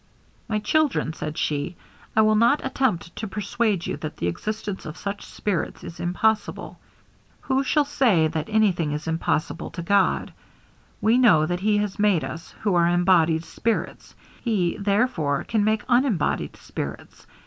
'My children,' said she, 'I will not attempt to persuade you that the existence of such spirits is impossible. Who shall say that any thing is impossible to God? We know that he has made us, who are embodied spirits; he, therefore, can make unembodied spirits.